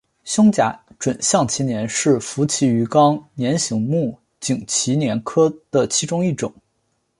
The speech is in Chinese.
胸甲准项鳍鲇是辐鳍鱼纲鲇形目颈鳍鲇科的其中一种。